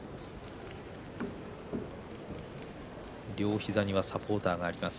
両膝にサポーターがあります。